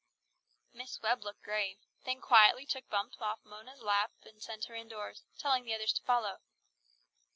Miss Webb looked grave, then quietly took Bumps off Mona's lap and sent her indoors, telling the others to follow.